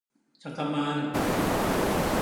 잠깐만.